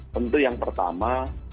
tentu yang pertama